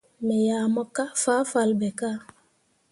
Me yah mo kah fahfalle ɓe kah.